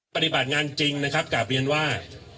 ปฏิบัติงานจริงนะครับกลับเรียนว่า